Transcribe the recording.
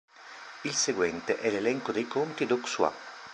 Il seguente è l'elenco dei conti d'Auxois.